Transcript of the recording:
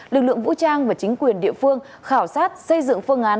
lực lượng vũ trang và chính quyền địa phương khảo sát xây dựng phương án